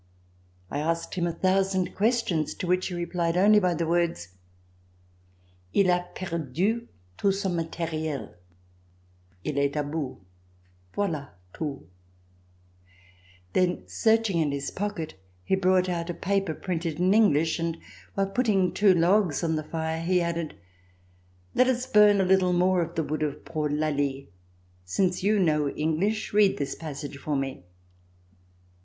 I asked him a thousand questions to which he replied only by the words : "II a perdu tout son materiel ... II est a bout. Voila tout." C385] RECOLLECTIONS OF THE REVOLUTION Then, searching in his pocket, he brought out a paper printed in EngHsh, and, while putting two logs on the fire, he added: "Let us burn a little more of the wood of poor Lally. Since you know English, read this passage for me."